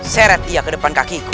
seret dia ke depan kakiku